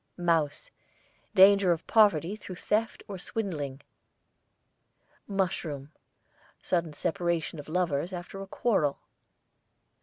MOUSE, danger of poverty through theft or swindling. MUSHROOM, sudden separation of lovers after a quarrel.